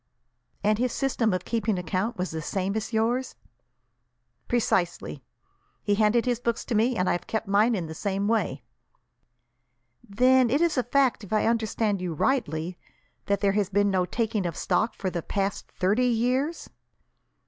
"And his system of keeping account was the same as yours?" "Precisely. He handed his books to me, and I have kept mine in the same way." "Then it is a fact, if I understand you rightly, that there has been no taking of stock for the past thirty years?"